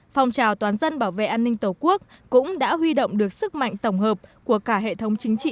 phòng trào toàn dân bảo vệ an ninh tổ quốc cũng đã huy động được sức mạnh tổng hợp của cả hệ thống chính trị